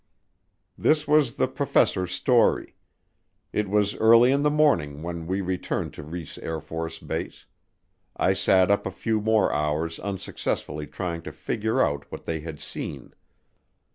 This was the professors' story. It was early in the morning when we returned to Reese AFB. I sat up a few more hours unsuccessfully trying to figure out what they had seen.